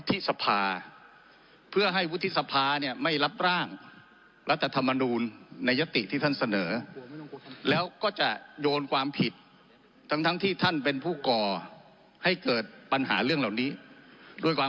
ที่สภาเพื่อให้วุฒิสภาเนี่ยไม่รับร่างรัฐธรรมนูลในยติที่ท่านเสนอแล้วก็จะโยนความผิดทั้งทั้งที่ท่านเป็นผู้ก่อให้เกิดปัญหาเรื่องเหล่านี้ด้วยความ